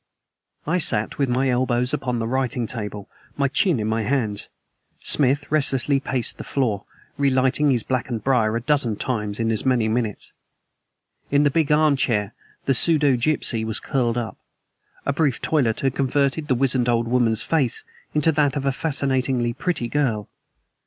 I sat with my elbows upon the writing table, my chin in my hands; Smith restlessly paced the floor, relighting his blackened briar a dozen times in as many minutes. In the big arm chair the pseudogypsy was curled up. A brief toilet had converted the wizened old woman's face into that of a fascinatingly pretty girl.